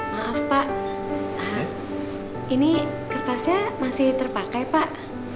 maaf pak ini kertasnya masih terpakai pak